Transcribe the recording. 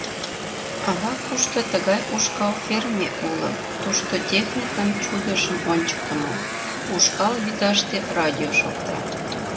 — Ала-кушто тыгай ушкал ферме уло: тушто техникын чудыжым ончыктымо; ушкал вӱташте радио шокта.